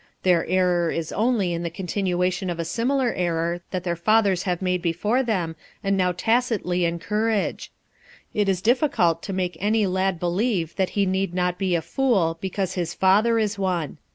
Their error is only the continuation of a similar error that their fathers have made before them and now tacitly encourage. It is difficult to make any lad believe that he need not be a fool because his father is one.